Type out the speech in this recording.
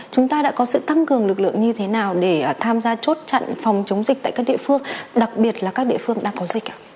chúng ta đã có sự tăng cường lực lượng như thế nào để tham gia chốt chặn phòng chống dịch tại các địa phương đặc biệt là các địa phương đang có dịch